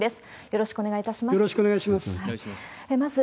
よろしくお願いします。